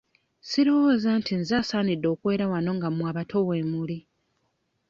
Sirowooza nti nze asaanidde okwera wano nga mmwe abato weemuli.